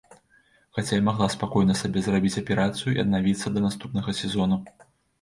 Хаця я магла спакойна сабе зрабіць аперацыю і аднавіцца да наступнага сезону.